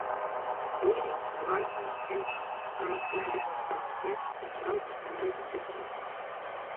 Reading, writing and arithmetic were stressed, as well as American history.